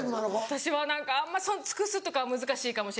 私はあんま尽くすとかは難しいかもしれないです。